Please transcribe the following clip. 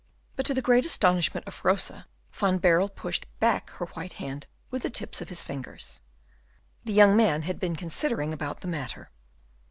But to the great astonishment of Rosa, Van Baerle pushed back her white hand with the tips of his fingers. The young man had been considering about the matter.